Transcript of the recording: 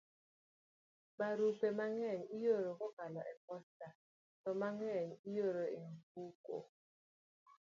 Barupe mang'eny ioro kokalo e posta, to mang'eny ioro e ofuko.